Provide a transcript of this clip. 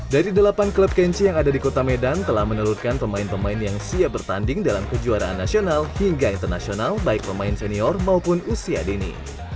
dari delapan klub kency yang ada di kota medan telah menelurkan pemain pemain yang siap bertanding dalam kejuaraan nasional hingga internasional baik pemain senior maupun usia dini